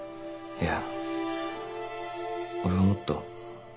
いや。